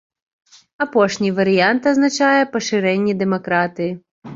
Апошні варыянт азначае пашырэнне дэмакратыі.